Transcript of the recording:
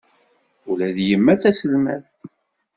Ula d yemma d taselmadt.